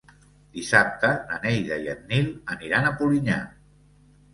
Dissabte na Neida i en Nil aniran a Polinyà.